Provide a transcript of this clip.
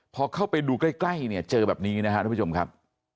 พอเข้าไปดูใกล้เนี่ยเจอแบบนี้นะครับทุกผู้ชมครับ